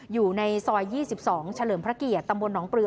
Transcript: อยู่ในซอยยี่สิบสองเฉลิมพระเกียรติตำวนหนองปรือ